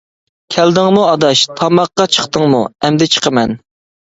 -كەلدىڭمۇ ئاداش، تاماققا چىقتىڭمۇ؟ -ئەمدى چىقىمەن.